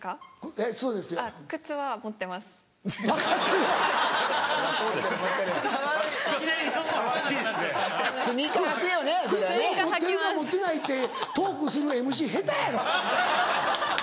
靴を持ってるか持ってないってトークするＭＣ下手やろ？